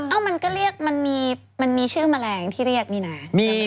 มันก็เรียกมันมีชื่อแมลงที่เรียกนี่นะ